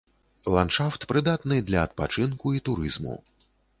Ландшафт прыдатны для адпачынку і турызму.